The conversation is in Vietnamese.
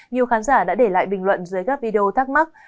nhiều khán giả đã để lại bình luận dưới các video thắc mắc